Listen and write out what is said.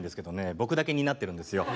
僕だけ担ってるんですよ。